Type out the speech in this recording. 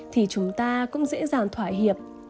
thì chúng ta cũng dễ dàng thỏa hiệp